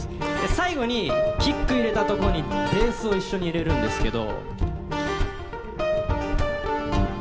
最後にキック入れたところにベースを一緒に入れるんですけど。